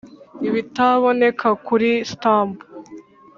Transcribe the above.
ibitaboneka kuri stump